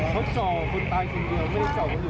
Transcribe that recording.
เธอเจาคนตายคนเดียวไม่เจาคนอื่นเลย